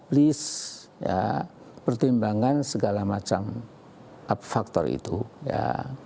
please pertimbangkan segala macam up factor itu ya